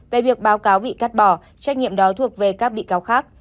về việc báo cáo bị cắt bỏ trách nhiệm đó thuộc về các bị cáo khác